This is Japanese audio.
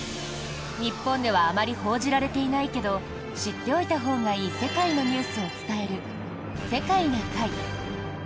日本ではあまり報じられていないけど知っておいた方がいい世界のニュースを伝える「世界な会」。